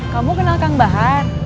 kamu kenal kang bahar